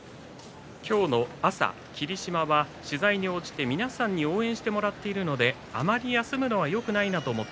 今日の朝、霧島は取材に応じて皆さんに応援してもらっているのであまり休むのはよくないなと思う。